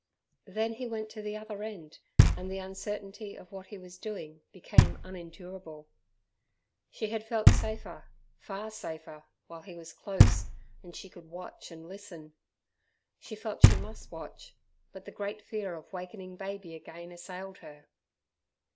Then he went to the other end, and the uncertainty of what he was doing became unendurable. She had felt safer, far safer, while he was close, and she could watch and listen. She felt she must watch, but the great fear of wakening baby again assailed her.